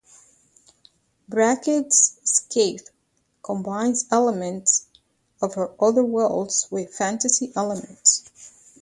Brackett's Skaith combines elements of her other worlds with fantasy elements.